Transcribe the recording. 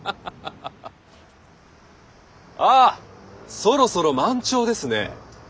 あっそろそろ満潮ですね。